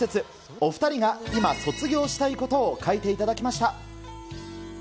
お２人が今、卒業したいことを書いていただきました。